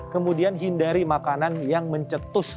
kemudian hindari makanan yang mencetus